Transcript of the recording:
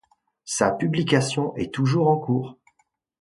Sa publication est toujours en cours.